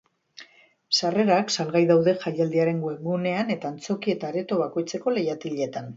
Sarrerak salgai daude jaialdiaren webgunean eta antzoki eta areto bakoitzeko leihatiletan.